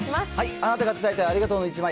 あなたが伝えたいありがとうの１枚。